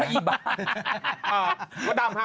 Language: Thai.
ก็ดำค่ะไม่ใช่พอแม่คงขา